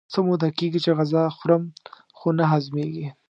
څه موده کېږي چې غذا خورم خو نه هضمېږي.